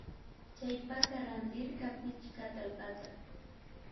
Chaypaka randirka pichka atallpata